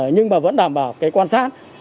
nhưng mà vẫn đảm bảo cái quan sát